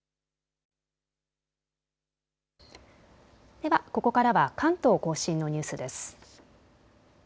ではここからは関東甲信のニュースです。